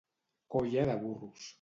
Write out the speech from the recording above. Colla de burros.